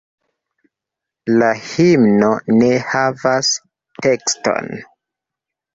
La himno ne havas tekston.